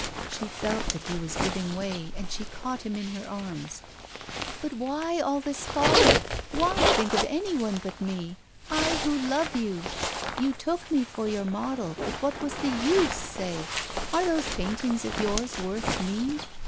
She felt that he was giving way, and she caught him in her arms: 'But why all this folly? why think of anyone but me I who love you? You took me for your model, but what was the use, say? Are those paintings of yours worth me?